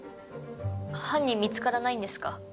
犯人見つからないんですか？